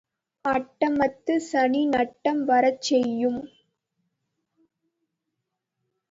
அட்டமத்துச் சனி நட்டம் வரச்செய்யும்.